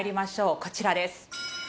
こちらです。